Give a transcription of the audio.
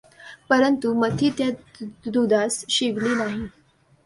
परंतु मथी त्या दुधास शिवली नाही.